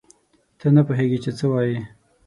ته نه پوهېږې چې څه وایې.